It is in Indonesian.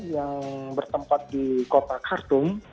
yang bertempat di kota khartung